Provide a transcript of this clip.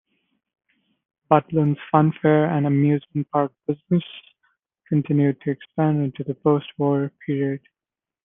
Butlin's funfair and amusement park business continued to expand into the post-war period.